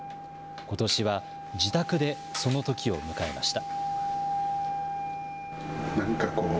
ことしは自宅でそのときを迎えました。